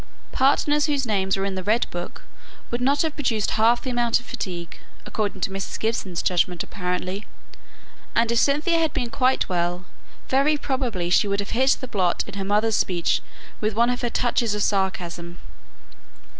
Partners whose names were in the "Red Book" would not have produced half the amount of fatigue, according to Mrs. Gibson's judgment apparently, and if Cynthia had been quite well, very probably she would have hit the blot in her mother's speech with one of her touches of sarcasm.